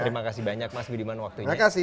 terima kasih banyak mas budiman waktunya